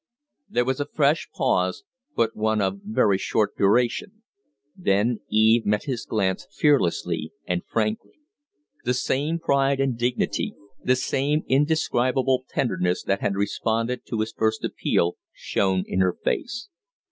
There was a fresh pause, but one of very short duration; then Eve met his glance fearlessly and frankly. The same pride and dignity, the same indescribable tenderness that had responded to his first appeal shone in her face.